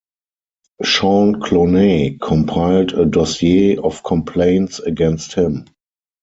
Sean Cloney compiled a dossier of complaints against him.